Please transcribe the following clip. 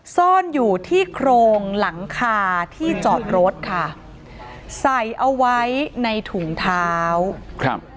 ซ่อนอยู่ที่โครงหลังคาที่จอดรถค่ะใส่เอาไว้ในถุงเท้าครับ